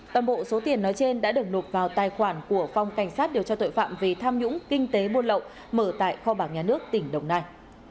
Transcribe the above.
toàn bộ số tiền nói trên đã được nộp vào tài khoản của phòng cảnh sát điều tra tội phạm về tham nhũng kinh tế buôn lậu mở tại kho bạc nhà nước tỉnh đồng nai